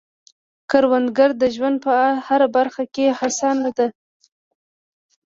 کروندګر د ژوند په هره برخه کې هڅاند دی